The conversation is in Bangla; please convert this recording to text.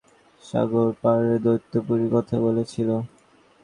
বিশেষ-সংবাদদাতা তাকে সাগরপারের দৈত্যপুরীর কথা বলেছিল।